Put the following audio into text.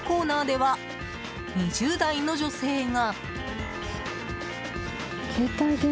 化粧品コーナーでは２０代の女性が。